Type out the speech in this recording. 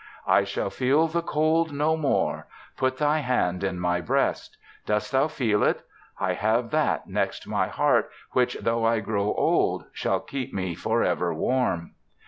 "I shall feel the cold no more. Put thy hand in my breast. Dost thou feel it? I have that next my heart which, though I grow old, shall keep me forever warm."